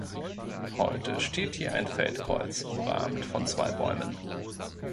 Heute steht hier ein Feldkreuz, umrahmt von zwei Bäumen.